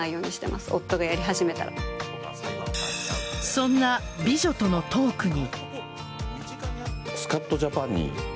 そんな美女とのトークに。